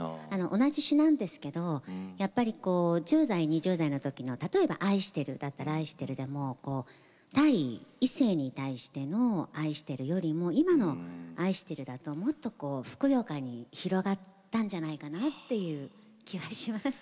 同じ詞なんですけどやっぱり１０代２０代の時の例えば「愛してる」だったら「愛してる」でも対異性に対しての「愛してる」よりも今の「愛してる」だともっとこうふくよかに広がったんじゃないかなっていう気がします。